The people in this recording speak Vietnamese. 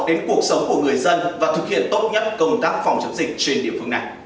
đến cuộc sống của người dân và thực hiện tốt nhất công tác phòng chống dịch trên địa phương này